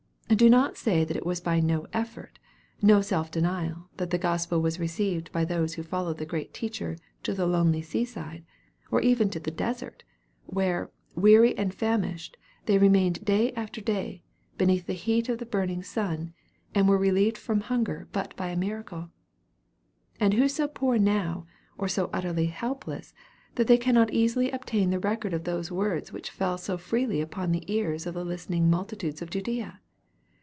Do not say that it was by no effort, no self denial, that the gospel was received by those who followed the great Teacher to the lonely sea side, or even to the desert, where, weary and famished, they remained day after day, beneath the heat of a burning sun, and were relieved from hunger but by a miracle. And who so poor now, or so utterly helpless, that they cannot easily obtain the record of those words which fell so freely upon the ears of the listening multitudes of Judea?